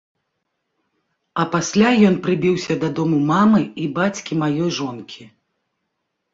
А пасля ён прыбіўся да дому мамы і бацькі маёй жонкі.